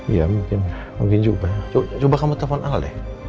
iya mungkin mungkin juga coba kamu telepon al deh